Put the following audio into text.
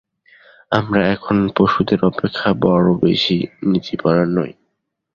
আমরা এখন পশুদের অপেক্ষা বড় বেশী নীতিপরায়ণ নই।